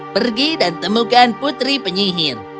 pergi dan temukan putri penyihir